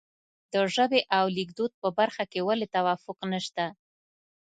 د ژبې او لیکدود په برخه کې ولې توافق نشته.